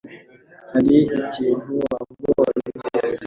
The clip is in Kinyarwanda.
Hari ikintu wabonye sibyo